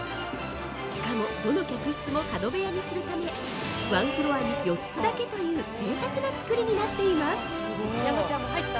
しかも、どの客室も角部屋にするためワンフロアに４つだけというぜいたくな造りになっています。